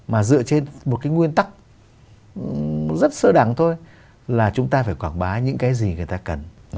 mà dựa trên một cái nguyên tắc rất sơ đẳng thôi là chúng ta phải quảng bá những cái gì người ta cần